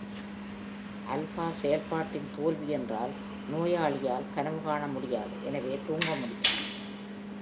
ஆல்பா-செயல்பாட்டின் தோல்வி என்றால் நோயாளியால் கனவு காண முடியாது, எனவே தூங்க முடியாது.